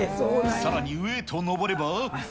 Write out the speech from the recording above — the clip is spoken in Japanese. さらに上へと上れば。